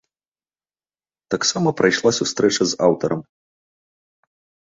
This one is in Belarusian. Таксама прайшла сустрэча з аўтарам.